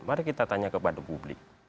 mari kita tanya kepada publik